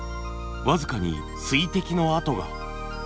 僅かに水滴の跡が。